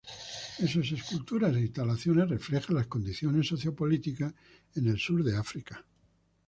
En sus esculturas e instalaciones, refleja las condiciones socio-políticas en el sur de África.